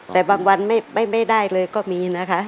แต่บางวันไม่ได้เลยก็มีนะคะ